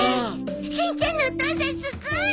しんちゃんのお父さんすごい！